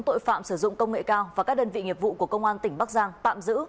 tội phạm sử dụng công nghệ cao và các đơn vị nghiệp vụ của công an tỉnh bắc giang tạm giữ